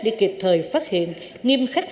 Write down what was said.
để kịp thời phát hiện nghiêm khắc